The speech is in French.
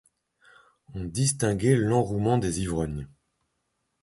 On distinguait l’enrouement des ivrognes.